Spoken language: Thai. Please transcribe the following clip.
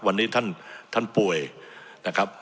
วันนี้ท่านป่วยนะครับ